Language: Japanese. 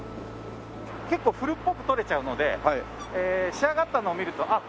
結構古っぽく撮れちゃうので仕上がったのを見るとあっ